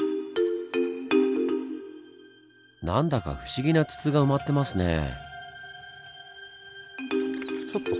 なんだか不思議な筒が埋まってますねぇ。